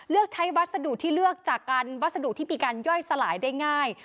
เลือกใช้วัสดุที่เลือกจากการวัสดุที่มีการย่อยสลายได้ง่าย